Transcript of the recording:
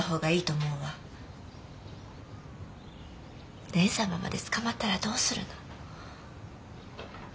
蓮様まで捕まったらどうするの？